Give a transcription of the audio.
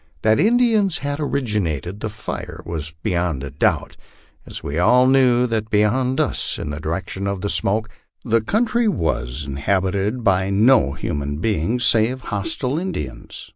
That Indians had originated the fire was beyond a doubt, as we all knew that beyond us, in the direction of the smoke, the country was inhabited by no human beings save hostile Indians.